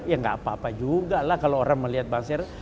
ya nggak apa apa juga lah kalau orang melihat bang ser